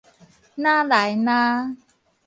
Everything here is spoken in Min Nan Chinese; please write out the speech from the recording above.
那來那